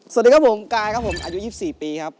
สวัสดีครับผมกายครับผมอายุ๒๔ปีครับ